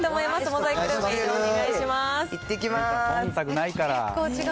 そんたくないから。